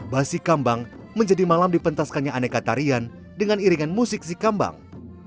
basi kambang menjadi malam dipentaskannya aneka tarian dengan iringan musik si kambang